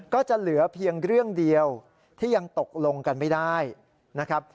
ก็จะเหลือเพียงเรื่องเดียวที่ยังตกลงกันไม่ได้นะครับ